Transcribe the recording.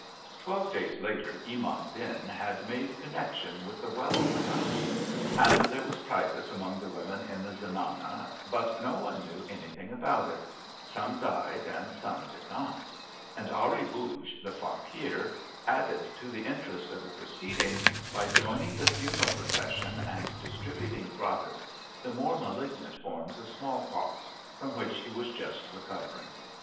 Twelve days later, Imam Din had made connection with the well of the house, and there was typhus among the women in the zenana, but no one knew anything about it — some died and some did not; and Ari Booj, the Faquir, added to the interest of the proceedings by joining the funeral pro cession and distributing gratis the more malignant forms of smallpox, from which he was just re covering.